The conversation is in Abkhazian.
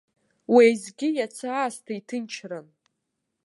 Уеизгьы иацы аасҭа иҭынчран.